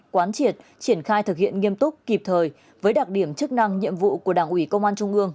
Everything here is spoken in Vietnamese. quán triệt triển khai thực hiện nghiêm túc kịp thời với đặc điểm chức năng nhiệm vụ của đảng ủy công an trung ương